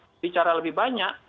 trump harus bicara lebih banyak